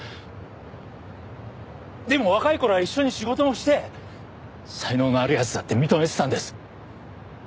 でも若い頃は一緒に仕事もして才能のある奴だって認めてたんです。